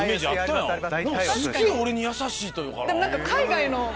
でもすげぇ俺に優しいというか。